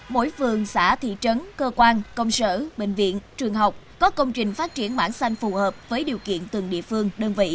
mỗi phường xã thị trấn cơ quan công sở bệnh viện trường học có công trình phát triển mảng xanh phù hợp với điều kiện từng địa phương đơn vị